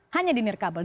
hanya di nirkabel